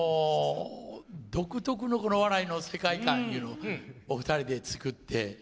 独特の笑いの世界観というのをお二人で作って。